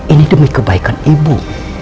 ini demi kebaikan ibu